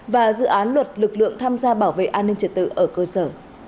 và dự án luật lực lượng tham gia bảo vệ an ninh trật tự ở cơ sở